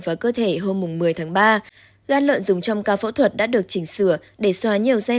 vào cơ thể hôm một mươi tháng ba gan lợn dùng trong ca phẫu thuật đã được chỉnh sửa để xóa nhiều gen